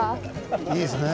いいですね。